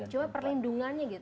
cuma perlindungannya gitu